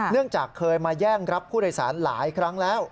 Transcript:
จากเคยมาแย่งรับผู้โดยสารหลายครั้งแล้ว